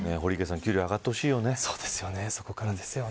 給料上がってほしいですよね。